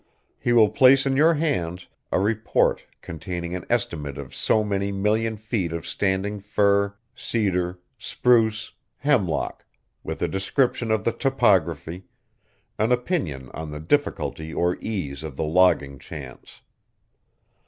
He will place in your hands a report containing an estimate of so many million feet of standing fir, cedar, spruce, hemlock, with a description of the topography, an opinion on the difficulty or ease of the logging chance.